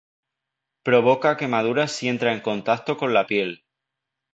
Provoca quemaduras si entra en contacto con la piel.